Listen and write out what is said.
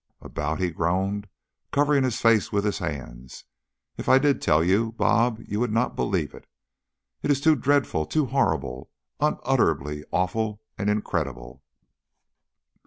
"About?" he groaned, covering his face with his hands. "If I did tell you, Bob, you would not believe it. It is too dreadful too horrible unutterably awful and incredible!